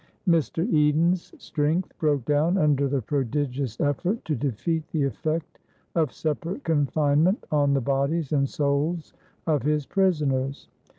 Mr. Eden's strength broke down under the prodigious effort to defeat the effect of separate confinement on the bodies and souls of his prisoners.